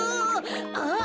あっ！